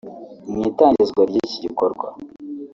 Mu itangizwa ry’iki gikorwa